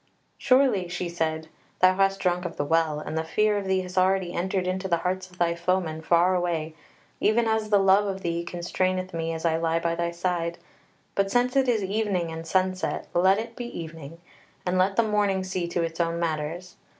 "Surely," she said, "thou hast drunk of the Well, and the fear of thee has already entered into the hearts of thy foemen far away, even as the love of thee constraineth me as I lie by thy side; but since it is evening and sunset, let it be evening, and let the morning see to its own matters.